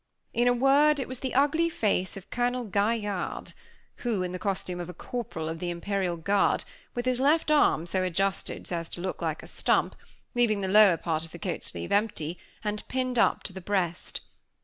In a word, it was the ugly face of Colonel Gaillarde, who, in the costume of a corporal of the Imperial Guard, with his left arm so adjusted as to look like a stump, leaving the lower part of the coat sleeve empty, and pinned up to the breast.